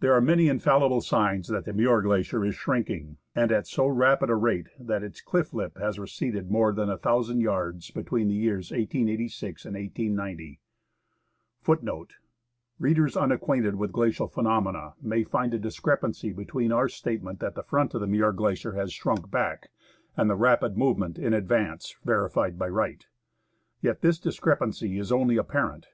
There are many infallible signs that the Muir Glacier is shrink ing, and at so rapid a rate, that its cliff lip has receded more than a thousand yards between the years 1886 and 1890.^ Going back to •CITY OF TOPEKA STEAMliOAT I.N GLACIER BAY. ^ Readers unacquainted with glacial phenomena may find a discrepancy between our statement that the front of the Muir Glacier has shrunk back, and the rapid move ment in advance verified by Wright. Yet this discrepancy is only apparent.